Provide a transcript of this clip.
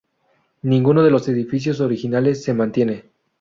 Ninguno de los edificios originales se mantiene.